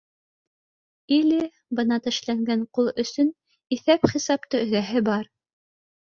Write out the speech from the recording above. Иле бына тешләнгән ҡул өсөн иҫап-хисапты өҙәһе бар